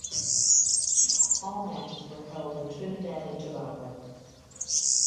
All matches were held in Trinidad and Tobago.